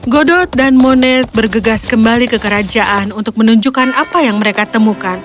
godot dan moned bergegas kembali ke kerajaan untuk menunjukkan apa yang mereka temukan